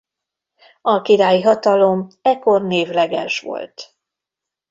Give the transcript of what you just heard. A királyi hatalom ekkor névleges volt.